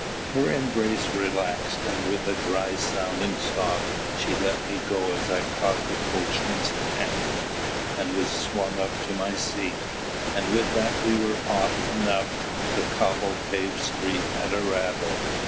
Her embrace relaxed, and with a dry sounding sob she let me go as I caught the coachman's hand and was swung up to my seat; and with that we were off and up the cobble paved street at a rattle.